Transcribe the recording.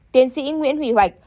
tiến sĩ nguyễn huy hoạch